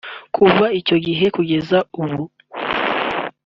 Kuva icyo gihe kugeza ubu